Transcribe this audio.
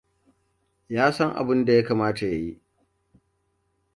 Ya san abin da ya kamata ya yi.